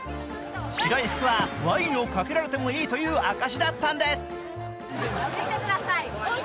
白い服はワインをかけられてもいいという証しだったんです。